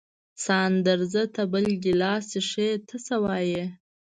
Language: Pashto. ساندرزه ته بل ګیلاس څښې، ته څه وایې؟